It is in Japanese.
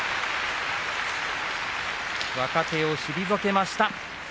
若手を退けました。